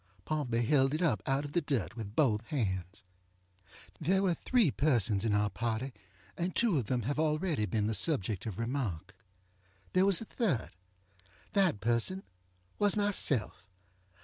Pompey held it up out of the dirt with both hands. There were three persons in our party, and two of them have already been the subject of remark. There was a thirdŌĆöthat person was myself.